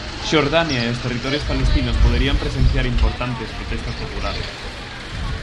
Xordania e os territorios palestinos poderían presenciar importantes protestas populares.